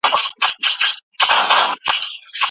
ایا رنځونه انسانان سره برابر کړي دي؟